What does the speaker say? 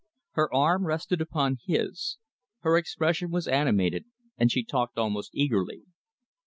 Her arm rested upon his; her expression was animated and she talked almost eagerly.